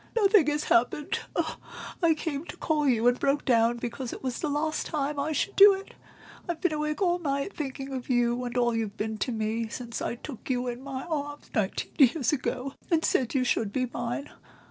"Nothing has happened; I came to call you, and broke down because it was the last time I should do it. I've been awake all night, thinking of you and all you've been to me since I took you in my arms nineteen years ago, and said you should be mine.